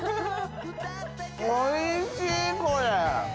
おいしいこれ！